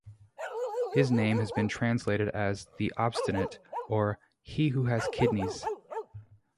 His name has been translated as "The obstinate" or "He who has kidneys.